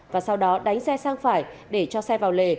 và sau đó đánh xe sang phải để cho xe vào lề